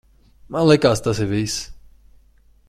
Man likās, tas ir viss.